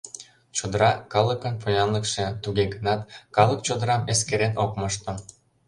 Чодыра — калыкын поянлыкше, туге гынат калык чодырам эскерен ок мошто.